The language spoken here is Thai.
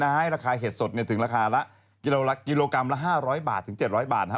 ให้ราคาเห็ดสดถึงราคากิโลกรัมละ๕๐๐บาทถึง๗๐๐บาท